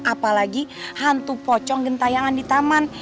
apalagi hantu pocong gentayangan di taman